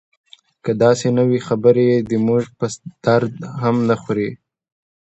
که داسې نه وي خبرې یې زموږ په درد هم نه خوري.